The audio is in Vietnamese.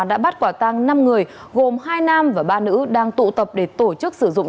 đã bắt quả tăng năm người gồm hai nam và ba nữ đang tụ tập để tổ chức sử dụng